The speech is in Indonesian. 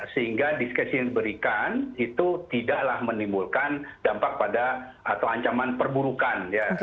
sehingga diskresi yang diberikan itu tidaklah menimbulkan dampak pada atau ancaman perburukan